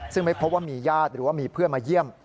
ซึ่งไม่พบว่ามีญาติหรือว่ามีเพื่อนมาเยี่ยม